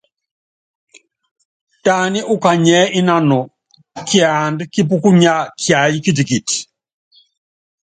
Taní ukanyiɛ́ ínanɔ kiandá kípúkunya kiáyí kitikiti.